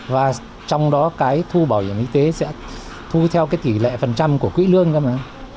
và trong đó cái thu bảo hiểm y tế sẽ thu theo cái tỷ lệ phần trăm của quỹ lương cơ mà